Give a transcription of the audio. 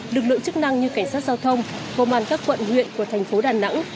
lực lượng chức năng như cảnh sát giao thông công an các quận huyện của thành phố đà nẵng